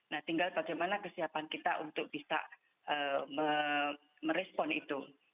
nah tinggal bagaimana kesiapan kita untuk bisa merespon itu